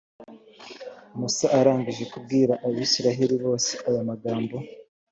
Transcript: musa arangije kubwira abayisraheli bose aya magambo,